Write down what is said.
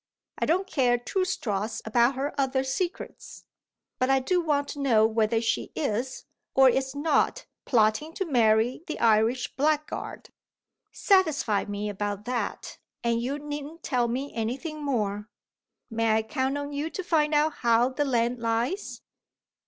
I don't care two straws about her other secrets; but I do want to know whether she is, or is not, plotting to marry the Irish blackguard. Satisfy me about that, and you needn't tell me anything more. May I count on you to find out how the land lies?"